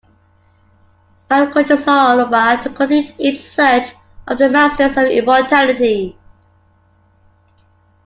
Pan encourages Alobar to continue East in search of the masters of immortality.